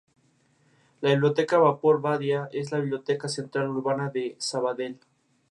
La Biblioteca Vapor Badia es la biblioteca central urbana de Sabadell.